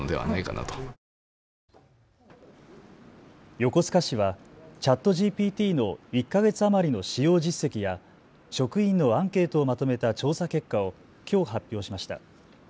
横須賀市はＣｈａｔＧＰＴの１か月余りの使用実績や職員のアンケートをまとめた調査結果をきょう発表しました。